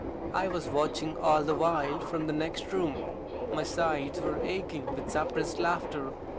I was watching all the while from the next room. My sides were aching with suppressed laughter.